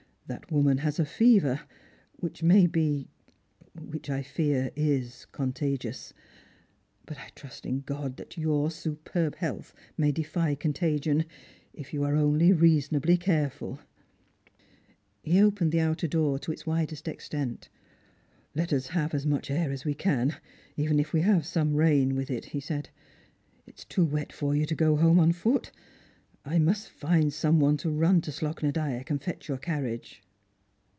That woman has a fever which may be —— which I fear is — contagious ; but I trust in God that your superb health may defy contagion, if you are only reasonably carefuh" He opened the outer door to its widest extent. "Let us have as much air as we can, even if we have some rain with it," he said. "It is too wet for you to go home on foot. I must find some one to run to Slogh na Dyack and fetch your carriage."